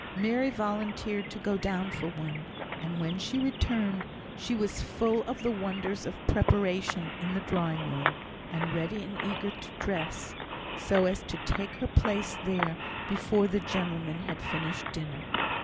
Mary volunteered to go down for one; and when she returned she was full of the wonders of preparation in the drawing room, and ready and eager to dress, so as to take her place there before the gentlemen had finished dinner.